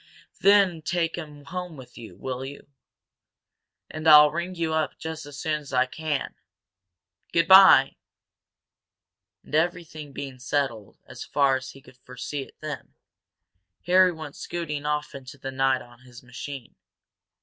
Then take him home with you, will you? And I'll ring you up just as soon as I can. Good bye!" And everything being settled as far as he could foresee it then, Harry went scooting off into the night on his machine.